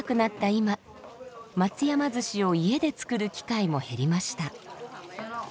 今松山鮓を家で作る機会も減りました。